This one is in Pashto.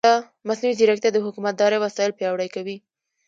مصنوعي ځیرکتیا د حکومتدارۍ وسایل پیاوړي کوي.